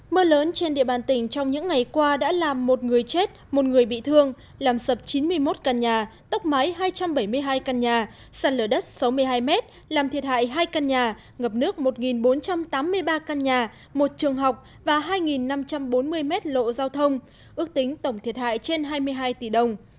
mưa lớn trên địa bàn tỉnh trong những ngày qua đã làm một người chết một người bị thương làm sập chín mươi một căn nhà tốc máy hai trăm bảy mươi hai căn nhà sàn lửa đất sáu mươi hai mét làm thiệt hại hai căn nhà ngập nước một bốn trăm tám mươi ba căn nhà một trường học và hai năm trăm bốn mươi mét lộ giao thông ước tính tổng thiệt hại trên hai mươi hai tỷ đồng